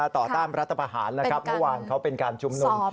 ต่อต้านประธรรมรดิมาเมื่อวานเขาเป็นการชุมนุม